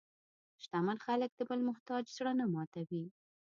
شتمن خلک د بل محتاج زړه نه ماتوي.